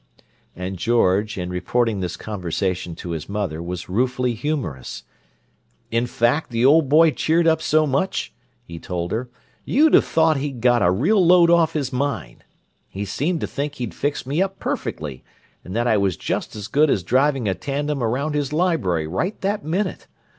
And George, in reporting this conversation to his mother, was ruefully humorous. "In fact, the old boy cheered up so much," he told her, "you'd have thought he'd got a real load off his mind. He seemed to think he'd fixed me up perfectly, and that I was just as good as driving a tandem around his library right that minute!